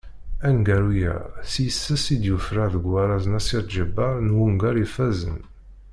Aneggaru-a s yis-s i d-yufrar deg warraz n Asya Ǧebbar n wungal ifazzen.